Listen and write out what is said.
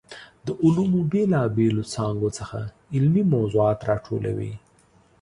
د علومو بېلا بېلو څانګو څخه علمي موضوعات راټولوي.